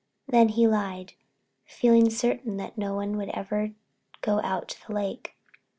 Then he lied, feeling certain that no one would ever go out to the lake.